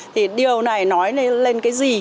thì điều này nói lên cái gì